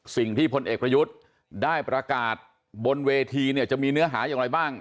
สิ่งที่พลเอกประยุทธ์ได้ประกาศบนเวทีจะมีเนื้อหาอย่างไรบ้าง